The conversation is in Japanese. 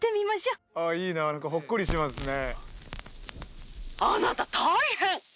いいな何かほっこりしますね。